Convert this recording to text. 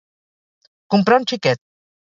Comprar un xiquet.